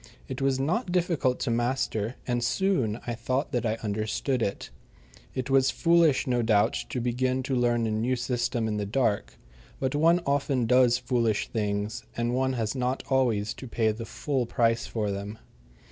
It was not difficult to master, and soon I thought that I understood it. It was foolish, no doubt, to begin to learn a new system in the dark, but one often does foolish things, and one has not always to pay the full price for them.